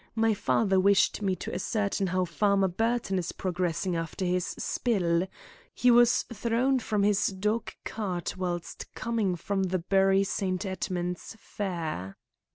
My father wished me to ascertain how Farmer Burton is progressing after his spill. He was thrown from his dog cart whilst coming from the Bury St. Edmund's fair."